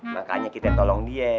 makanya kita tolong dia